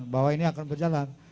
bahwa ini akan berjalan